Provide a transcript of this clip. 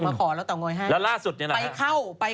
ปลาหมึกแท้เต่าทองอร่อยทั้งชนิดเส้นบดเต็มตัว